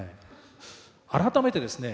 改めてですね